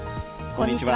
こんにちは。